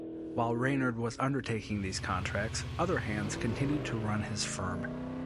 While Reynard was undertaking these contracts, other hands continued to run his firm.